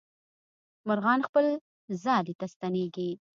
مرغان خپل ځالې ته ستنېږي.